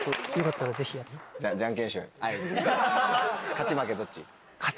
勝ち負けどっち？